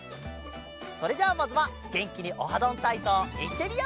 それじゃあまずはげんきに「オハどんたいそう」いってみよう！